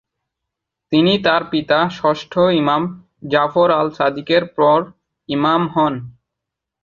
তিনি তার পিতা ষষ্ঠ ইমাম জাফর আল-সাদিকের পর ইমাম হন।